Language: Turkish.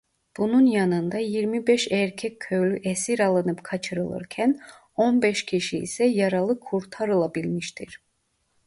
Bunun yanında yirmi beş erkek köylü esir alınıp kaçırılırken on beş kişi ise yaralı kurtarılabilmiştir.